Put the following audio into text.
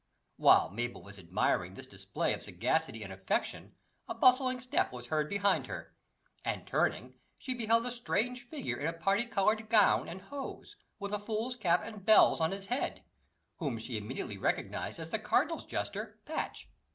While Mabel was admiring this display of sagacity and affection a bustling step was heard behind her, and turning, she beheld a strange figure in a parti coloured gown and hose, with a fool's cap and bells on his head, whom she immediately recognised as the cardinal's jester, Patch.